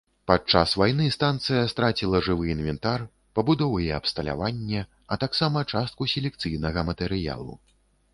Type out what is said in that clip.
Падчас вайны станцыя страціла жывы інвентар, пабудовы і абсталяванне, а таксама частку селекцыйнага матэрыялу.